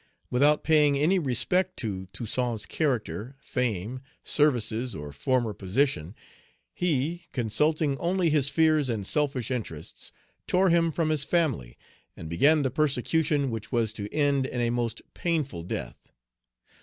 Without paying any respect to Toussaint's character, fame, services, or former position, he, consulting only his fears and selfish interests, tore him from his family, and began the persecution which was to end in a most painful death.